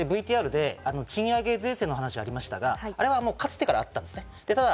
ＶＴＲで賃上げ税制の話がありましたが、あれはかつてからあったんです。